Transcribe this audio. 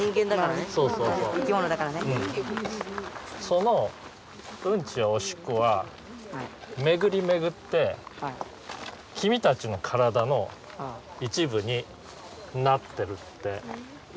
そのうんちやおしっこは巡り巡って君たちの体の一部になってるって言ったら信じますか？